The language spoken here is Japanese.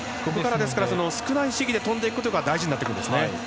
ですから、少ない試技で跳んでいくことが大事になってくるんですね。